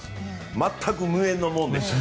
全く無縁のものでした。